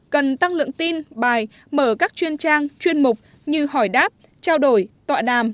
cần tăng lượng tin bài mở các chuyên trang chuyên mục như hỏi đáp trao đổi tọa đàm